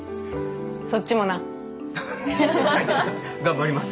そっちもなはははっ頑張ります